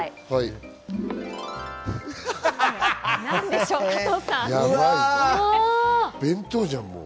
何でしょう？